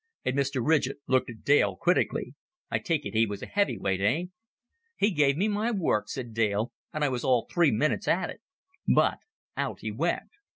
And Mr. Ridgett looked at Dale critically. "I take it he was a heavyweight, eh?" "He gave me my work," said Dale; "and I was all three minutes at it. But out he went."